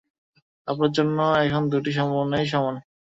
আপনার জন্য এখন দুটো সম্ভাবনাই সমান।